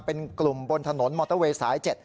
เป็นกลุ่มบนถนนมอเตอร์เวย์สาย๗